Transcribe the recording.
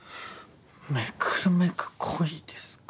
めくるめく恋ですか。